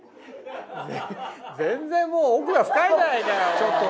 全然もう奥が深いじゃないかよ。